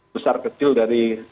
besar kecil dari